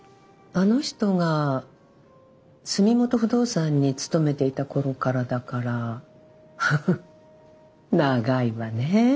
あの人が住元不動産に勤めていた頃からだからハハ長いわね。